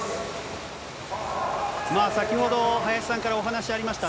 先ほど、林さんからお話ありました